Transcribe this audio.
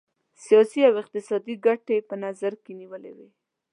سیاسي او اقتصادي ګټي په نظر کې نیولي وې.